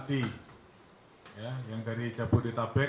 keceligaan mereka itu karena apa pak